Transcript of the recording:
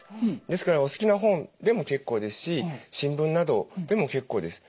ですからお好きな本でも結構ですし新聞などでも結構です。